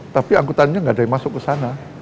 tapi angkutannya nggak ada yang masuk ke sana